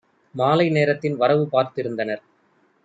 மாலை நேரத்தின் வரவுபார்த் திருந்தனர்.